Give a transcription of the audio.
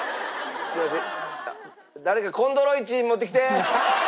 すいません。